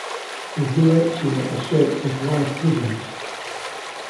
The zooecia are shaped as wide prisms.